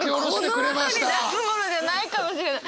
この中で出すものじゃないかもしれない！